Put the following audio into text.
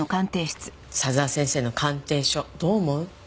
佐沢先生の鑑定書どう思う？